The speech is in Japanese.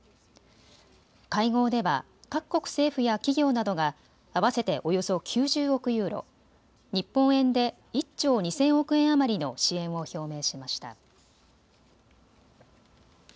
会合では各国政府や企業などが合わせておよそ９０億ユーロ、日本円で１兆２０００億円余りの支援を表明しました。